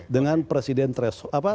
dengan presiden tersebut